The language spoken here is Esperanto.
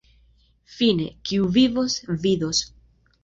Fine, kiu vivos, vidos.